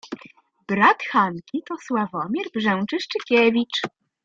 Brat Hanki to Sławomir Brzęczyszczykiewicz.